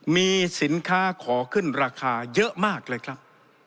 มีสินค้าขอขึ้นราคาเยอะมากเลยครับ